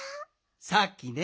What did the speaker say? さっきね